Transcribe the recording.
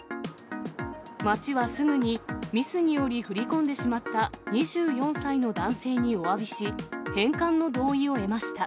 町はすぐにミスにより振り込んでしまった２４歳の男性におわびし、返還の同意を得ました。